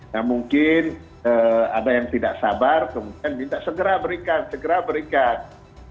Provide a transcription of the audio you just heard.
nah mungkin ada yang tidak sabar kemudian minta segera berikan segera berikan